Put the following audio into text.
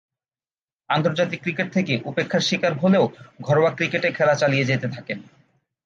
আন্তর্জাতিক ক্রিকেট থেকে উপেক্ষার শিকার হলেও ঘরোয়া ক্রিকেটে খেলা চালিয়ে যেতে থাকেন।